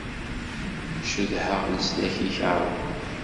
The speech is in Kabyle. Cedhaɣ leslak-ik, a Rebbi.